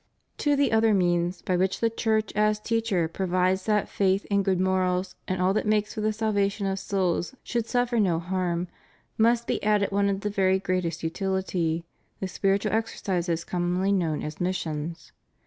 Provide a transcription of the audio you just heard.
To the other means, by which the Church as teacher provides that faith and good morals and all that makes for the salvation of souls should suffer no harm, must be added one of the very greatest utility, the spiritual exer cises conunonly known as missions.